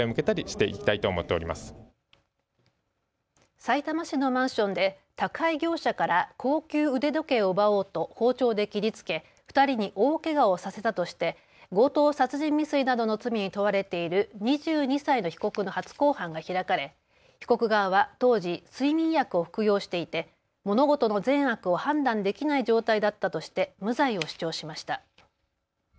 さいたま市のマンションで宅配業者から高級腕時計を奪おうと包丁で切りつけ２人に大けがをさせたとして強盗殺人未遂などの罪に問われている２２歳の被告の初公判が開かれ被告側は当時、睡眠薬を服用していて物事の善悪を判断できない状態だったとして無罪を主張しました。